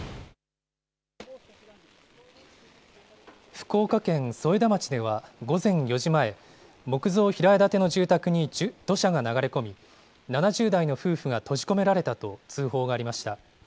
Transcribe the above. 福岡県添田町では午前４時前、木造平屋建ての住宅に土砂が流れ込み、７０代の夫婦が閉じ込められたと通報がありました。